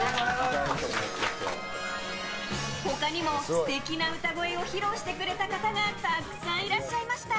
他にも素敵な歌声を披露してくれた方がたくさんいらっしゃいました。